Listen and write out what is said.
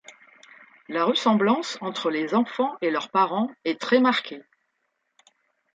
La ressemblance entre les enfants et leurs parents est très marquée.